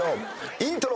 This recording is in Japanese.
イントロ。